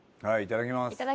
はいいただきます。